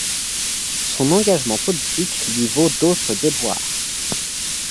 Son engagement politique lui vaut d’autres déboires.